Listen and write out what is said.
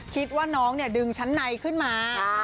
คิดว่าน้องเนี่ยดึงชั้นในขึ้นมา